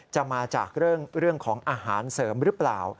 จะมาจากเรื่องของอาหารเสริมหรือเปล่า